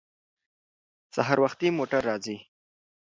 سهار وختي موټر راځي.